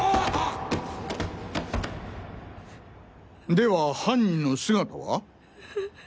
では犯人の姿は？